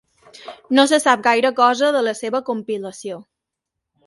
No se sap gaire cosa de la seva compilació.